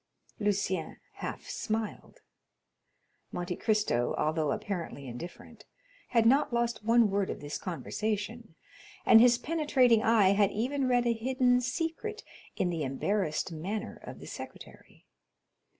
'" Lucien half smiled. Monte Cristo, although apparently indifferent, had not lost one word of this conversation, and his penetrating eye had even read a hidden secret in the embarrassed manner of the secretary.